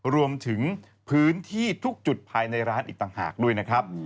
รวมถึงพื้นที่ทุกจุดภายในร้านอีกต่างหากด้วยนะครับ